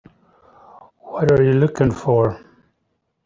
What are you looking for?